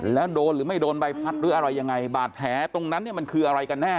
แล้วโดนหรือไม่โดนใบพัดหรืออะไรยังไงบาดแผลตรงนั้นเนี่ยมันคืออะไรกันแน่